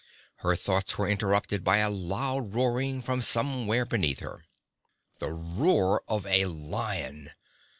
Her thoughts were interrupted by a loud roaring from somewhere beneath her. The roar of a lion!